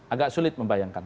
agak sulit membayangkan